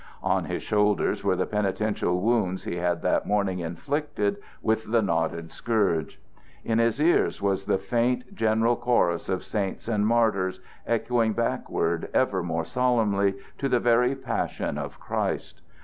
On his shoulders were the penitential wounds he had that morning inflicted with the knotted scourge. In his ears was the faint general chorus of saints and martyrs, echoing backward ever more solemnly to the very passion of Christ.